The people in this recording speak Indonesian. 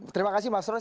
terima kasih mas rod